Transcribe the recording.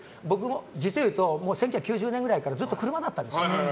実を言うと１９９０年ぐらいからずっと車だったんです。